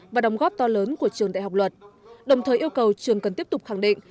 và đóng góp to lớn của trường đại học luật đồng thời yêu cầu trường cần tiếp tục khẳng định